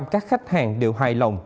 một trăm linh các khách hàng đều hài lòng